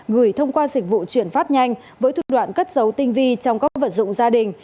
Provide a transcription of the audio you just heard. gửi thông qua dịch vụ chuyển phát nhanh với thủ đoạn cất giấu tinh vi trong các vật dụng gia đình